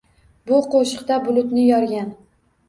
Bu qoʻshiqda bulutni yorgan